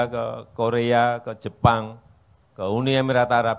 ke korea ke jepang ke uni emirat arab